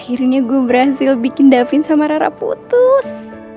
akhirnya gue brazil bikin davin sama rara putus